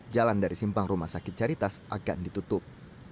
jalan dari simpang rumah sakit caritas akan ditutup